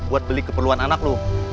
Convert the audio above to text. buat beli keperluan anak loh